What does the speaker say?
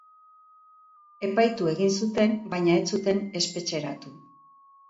Epaitu egin zuten, baina ez zuten espetxeratu.